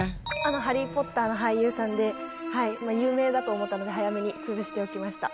「ハリー・ポッター」の俳優さんではい有名だと思ったので早めに潰しておきました